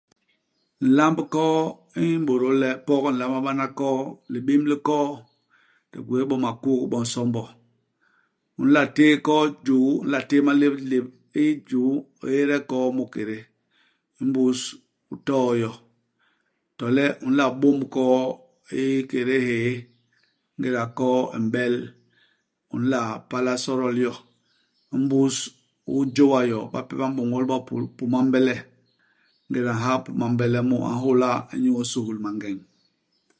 Nlamb u koo u m'bôdôl le pok u nlama bana koo, libim li koo. Di gwéé bo makuk, bo nsombo. U nla téé koo i juu u nla téé malép i lép i juu, u éde koo mu i kédé. Imbus u too yo ; to le u nla bôm koo i kédé hyéé. Ingéda koo i m'bel, u nla pala sodol yo ; imbus u jôa yo ; bape ba m'bôñôl bo pu hipuma hi mbele. Ingéda u ha hipuma hi mbele mu, a nhôla inyu isuhul mangeñ.